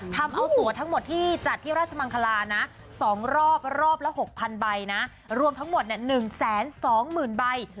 ทำเอาตัวทั้งหมดที่จัดที่ราชมังคลานะ๒รอบรอบละ๖๐๐ใบนะรวมทั้งหมด๑๒๐๐๐ใบ